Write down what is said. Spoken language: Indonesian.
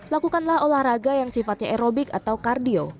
lakukanlah olahraga yang sifatnya aerobik atau kardio